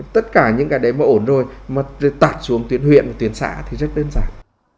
tất cả những cái đấy mà ổn rồi mà tạt xuống tuyến huyện và tuyến xã thì rất đơn giản